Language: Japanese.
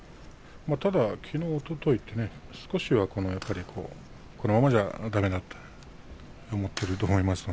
ただきのう、おとといと少しは、このままではだめだということで思っていると思います。